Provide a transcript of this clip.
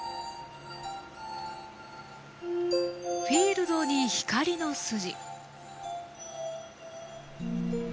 フィールドに光の筋。